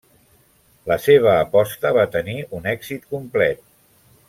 La seva aposta va tenir un èxit complet.